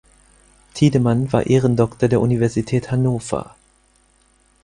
Tiedemann war Ehrendoktor der Universität Hannover.